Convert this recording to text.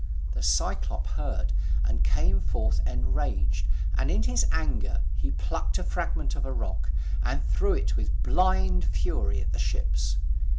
The Cyclop heard, and came forth enraged, and in his anger he plucked a fragment of a rock, and threw it with blind fury at the ships.